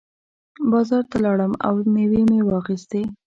بازار ته لاړم او مېوې مې واخېستې.